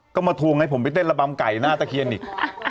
ก็มาทวงให้ผมไปเต้นระบำไก่หน้าตะเคียนอีก